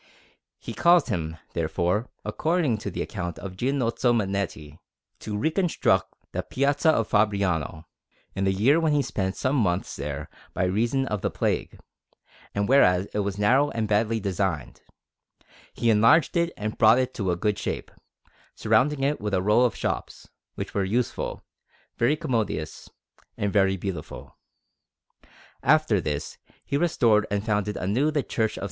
He caused him, therefore, according to the account of Giannozzo Manetti, to reconstruct the Piazza of Fabriano, in the year when he spent some months there by reason of the plague; and whereas it was narrow and badly designed, he enlarged it and brought it to a good shape, surrounding it with a row of shops, which were useful, very commodious, and very beautiful. After this he restored and founded anew the Church of S.